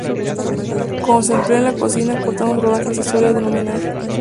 Cuando se emplea en la cocina cortado en rodajas se suele denominar 江瑤柱.